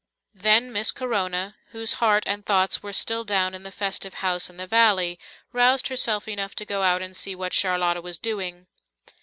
Then Miss Corona, whose heart and thoughts were still down in the festive house in the valley, roused herself enough to go out and see what Charlotta was doing.